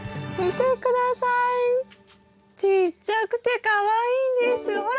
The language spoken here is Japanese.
ちっちゃくてかわいいんですよ。ほら！